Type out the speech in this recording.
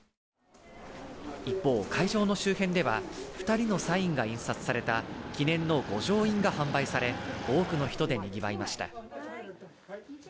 一方、会場の周辺では２人のサインが印刷された記念の御城印が販売され多くの人でにぎわいました。